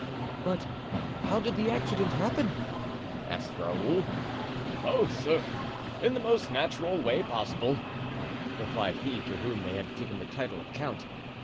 "But how did the accident happen?" asked Raoul. "Oh, sir, in the most natural way possible," replied he to whom they had given the title of count.